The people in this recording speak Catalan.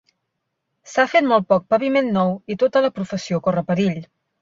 S'ha fet molt poc paviment nou i tota la professió corre perill.